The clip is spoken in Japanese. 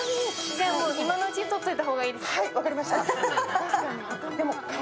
今のうちに取っておいたほうがいいです。